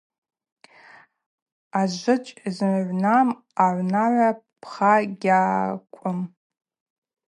Ажвычӏв зыгӏвнам аунагӏва пха гьаквым.